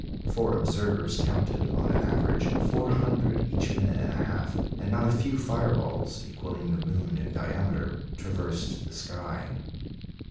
Four observers counted, on an average, four hundred each minute and a half; and not a few fireballs, equalling the moon in diameter, traversed the sky.